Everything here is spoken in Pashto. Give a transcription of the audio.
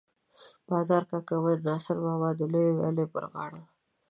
باز کاکا به د ناصر باغ د لویې ويالې پر غاړه.